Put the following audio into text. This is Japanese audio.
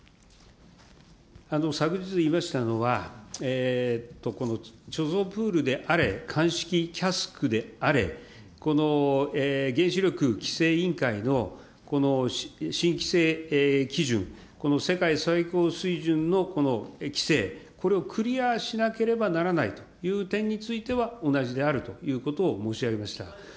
昨日言いましたのは、貯蔵プールであれ、乾式キャスクであれ、この原子力規制委員会の地域性基準、この世界最高水準のこの規制、これをクリアしなければならないという点については同じであると申し上げました。